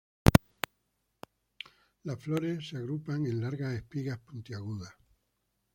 Las flores se agrupan en largas espigas puntiagudas.